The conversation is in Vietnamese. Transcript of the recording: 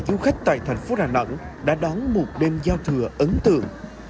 du khách tại thành phố đà nẵng đã đón một đêm giao thừa ấn tượng